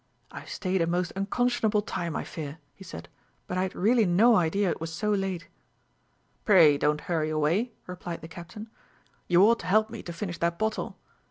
"I have stayed a most unconscionable time, I fear," he said; "but I had really no idea it was so late." "Pray, don't hurry away," replied the Captain. "You ought to help me to finish that bottle.